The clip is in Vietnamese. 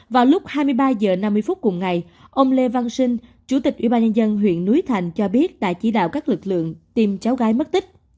vào lúc hai mươi ba h năm mươi phút cùng ngày ông lê văn sinh chủ tịch ubnd huyện núi thành cho biết đã chỉ đạo các lực lượng tìm cháu gái mất tích